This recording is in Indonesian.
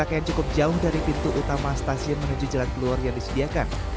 jarak yang cukup jauh dari pintu utama stasiun menuju jalan keluar yang disediakan